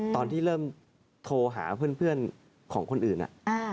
ตอนที่เริ่มโทรหาเพื่อนของคนอื่น